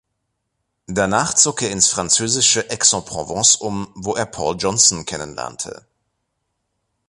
Danach zog er ins französische Aix-en-Provence um, wo er Paul Johnson kennenlernte.